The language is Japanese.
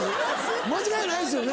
間違いないですよね？